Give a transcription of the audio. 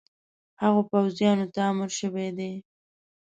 هغو پوځیانو ته امر شوی دی.